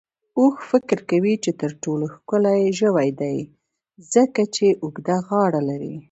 اوښ فکر کوي چې تر ټولو ښکلی ژوی دی، ځکه چې اوږده غاړه لري.